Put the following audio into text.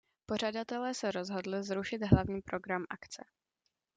Pořadatelé se rozhodli zrušit hlavní program akce.